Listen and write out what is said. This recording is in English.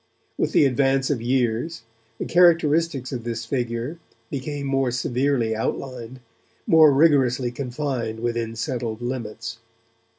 With the advance of years, the characteristics of this figure became more severely outlined, more rigorously confined within settled limits.